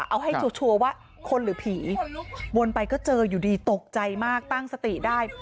เอาให้ชัวร์ว่าคนหรือผีวนไปก็เจออยู่ดีตกใจมากตั้งสติได้